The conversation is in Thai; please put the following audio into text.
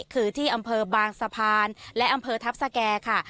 คือที่อำเภอบางสะพานและอำเภอทัพสแก่ค่ะ